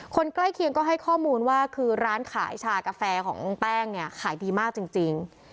ใกล้เคียงก็ให้ข้อมูลว่าคือร้านขายชากาแฟของแป้งเนี่ยขายดีมากจริง